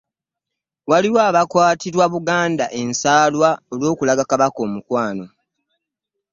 Waliwo abakwatirwa Buganda ensaalwa olw'okulaga Kabaka omukwano.